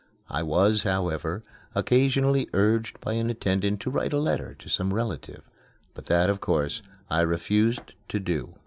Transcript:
I was, however, occasionally urged by an attendant to write a letter to some relative, but that, of course, I refused to do.